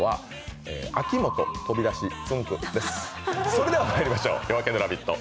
それではまいりましょう、「夜明けのラヴィット！」